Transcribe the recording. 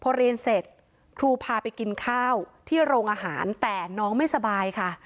พอเรียนเสร็จครูพาไปกินข้าวที่โรงอาหารแต่น้องไม่สบายค่ะ